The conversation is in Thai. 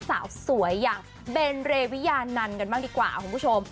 สาวสวยอย่างเบนเรวิยานันกันบ้างดีกว่าคุณผู้ชม